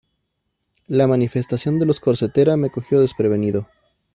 La manifestación de los corsetera me cogió desprevenido.